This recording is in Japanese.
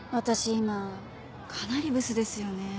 今かなりブスですよね。